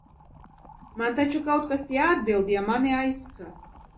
Man taču kaut kas jāatbild, ja mani aizskar!